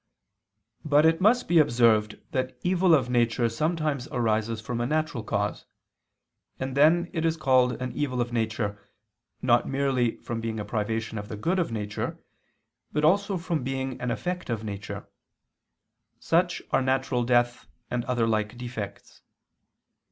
But it must be observed that evil of nature sometimes arises from a natural cause; and then it is called evil of nature, not merely from being a privation of the good of nature, but also from being an effect of nature; such are natural death and other like defects.